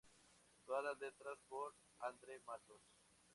Todas las letras por: Andre Matos.